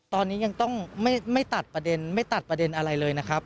ตอนนี้ยังต้องไม่ตัดประเด็นอะไรเลยนะครับ